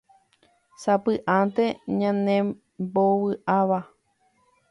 sapy'ánte ñanembovy'áva